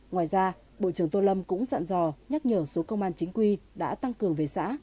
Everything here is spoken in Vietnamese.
ngoài ra bộ trưởng tô lâm cũng dặn dò nhắc nhở số công an chính quy đã tăng cường về xã